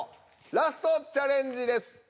ラストチャレンジです。